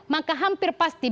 maka hampir pasti